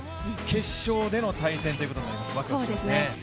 決勝での対戦ということになります、わくわくしますね。